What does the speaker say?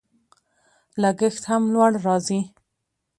لګښت هم لوړ راځي.